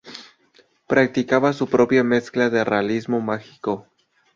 Practicaba su propia mezcla de realismo mágico.